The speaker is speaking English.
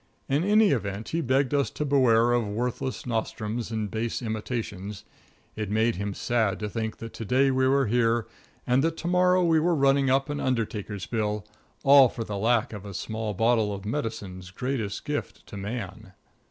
In any event, he begged us to beware of worthless nostrums and base imitations. It made him sad to think that to day we were here and that to morrow we were running up an undertaker's bill, all for the lack of a small bottle of Medicine's greatest gift to Man.